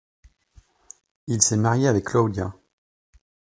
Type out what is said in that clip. Il s'est marié avec Claudia.